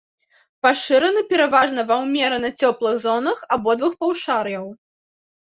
Пашыраны пераважна ва ўмерана цёплых зонах абодвух паўшар'яў.